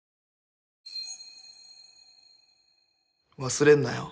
忘れんなよ